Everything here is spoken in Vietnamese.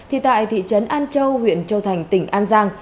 thì tại thị trấn an châu huyện châu thành tỉnh an giang